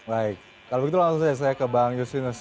baik kalau begitu langsung saja saya ke bang justinus